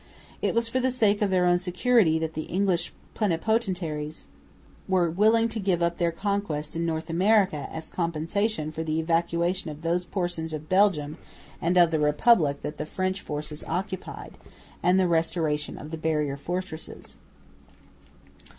It was for the sake of their own security that the English plenipotentiaries were willing to give up their conquests in North America as compensation for the evacuation of those portions of Belgium and of the Republic that the French forces occupied, and the restoration of the barrier fortresses.